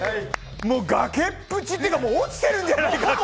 崖っぷちというか落ちてるんじゃないか。